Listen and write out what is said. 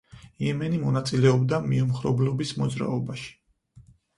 იემენი მონაწილეობდა მიუმხრობლობის მოძრაობაში.